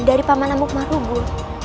dari paman amuk marugul